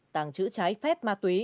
tàng trữ trái phép ma túy